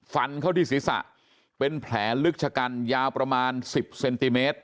ฟันเข้าที่ศีรษะเป็นแผลลึกชะกันยาวประมาณ๑๐เซนติเมตร